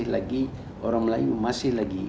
jadi orang melayu masih lagi